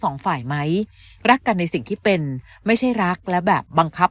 สองฝ่ายไหมรักกันในสิ่งที่เป็นไม่ใช่รักและแบบบังคับ